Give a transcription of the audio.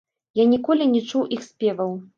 Я ніколі не чуў іх спеваў.